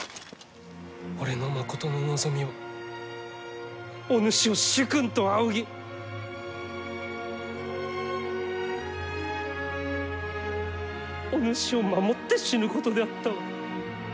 俺のまことの望みはお主を主君と仰ぎお主を守って死ぬことであったわ。